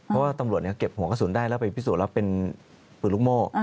เพราะว่าตำรวจเก็บหัวกระสุนได้แล้วไปพิสูจน์ว่าเป็นปืนลูกโม่